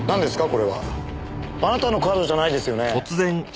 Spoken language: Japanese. これは。あなたのカードじゃないですよね？